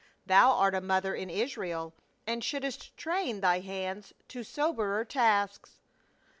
Thou art a mother in Israel and shouldst train thy hands to soberer tasks."